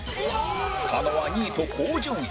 狩野は２位と高順位